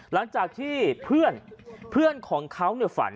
ล่างจากที่เพื่อนของเขาเนี่ยฝัน